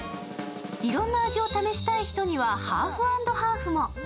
いろんな味を試したい人にはハーフ＆ハーフも。